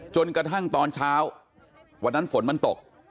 จนกระทั่งตอนเช้าวันนั้นฝนมันตก